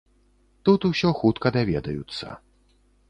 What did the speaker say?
Тут усё хутка даведаюцца.